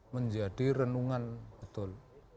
menjadi renungan betul